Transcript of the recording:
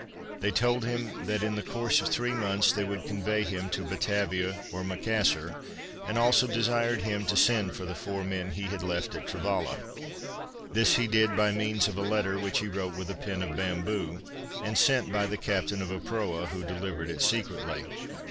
They told him that in the course of three months they would convey him to Batavia or Macassar, and also desired him to send for the four men he had left at Travalla. This he did by means of a letter which he wrote with a pen of bamboo, and sent by the captain of a proa, who delivered it secretly.